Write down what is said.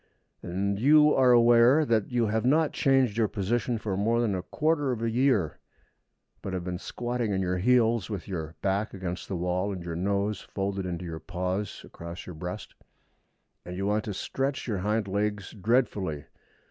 And you are aware that you have not changed your position for more than a quarter of a year, but have been squatting on your heels, with your back against the wall and your nose folded into your paws across your breast; and you want to stretch your hind legs dreadfully.